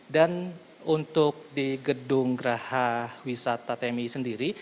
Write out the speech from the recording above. dan untuk di gedung geraha wisata tmi sendiri